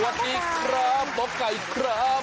สวัสดีครับหมอไก่ครับ